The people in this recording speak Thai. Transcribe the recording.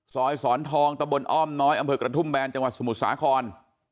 สอนทองตะบนอ้อมน้อยอำเภอกระทุ่มแบนจังหวัดสมุทรสาคร